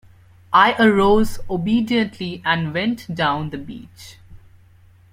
I arose obediently and went down the beach.